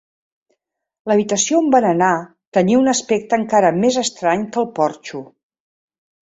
L'habitació on van anar tenia un aspecte encara més estrany que el porxo.